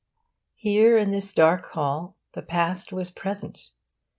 Here, in this dark hall, the past was the present.